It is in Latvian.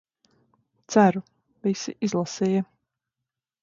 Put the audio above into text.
Ceru, visi izlasīja.